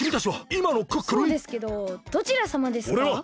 そうですけどどちらさまですか？